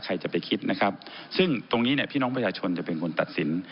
ใครจะไปคิดนะครับซึ่งตรงนี้เนี่ยพี่น้องประชาชนจะเป็นคนตัดสิน